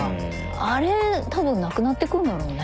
あれ多分なくなってくんだろうね。